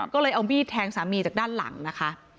ก็เลยเอามีดแทงสามีจากด้านหลังนะคะ